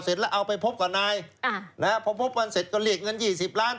เสร็จแล้วเอาไปพบกับนายแล้วพอพบกันเสร็จก็เรียกเงินยี่สิบล้าน